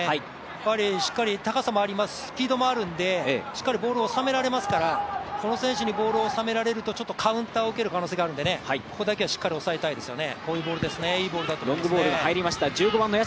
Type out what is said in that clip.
やっぱり、しっかり高さもスピードもあるのでしっかりボールをおさめられますから、この選手にボールをおさめられますと、カウンターを受ける可能性があるのでここだけはしっかりと抑えたいですね。